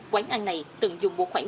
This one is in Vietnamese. quán ăn này từng dùng một khoảng